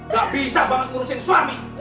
gak bisa banget ngurusin suami